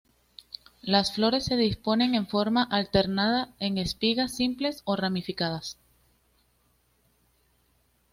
Las flores se disponen en forma alternada en espigas simples o ramificadas.